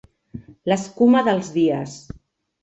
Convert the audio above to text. L'escuma dels dies.